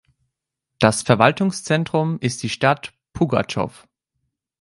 Das Verwaltungszentrum ist die Stadt Pugatschow.